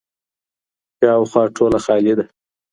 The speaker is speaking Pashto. شاوخوا ټوله خالي ده